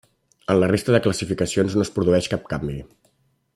En la resta de classificacions no es produeix cap canvi.